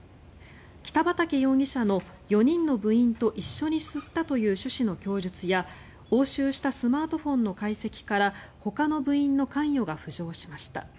北畠容疑者の４人の部員と一緒に吸ったという趣旨の供述や押収したスマートフォンの解析からほかの部員の関与が浮上しました。